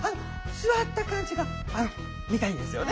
座った感じが見たいんですよね？